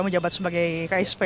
kamu jabat sebagai ksp